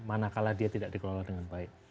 manakala dia tidak dikelola dengan baik